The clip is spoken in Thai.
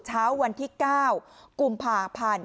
เช้าวันที่๙กุมภาพันธ์